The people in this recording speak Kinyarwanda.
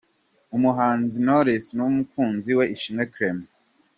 Umuhanzikazi Knowless n’umukunzi we Ishimwe Clement.